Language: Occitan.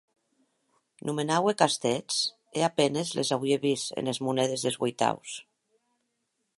Nomenaue castèths e a penes les auie vist enes monedes de ueitaus.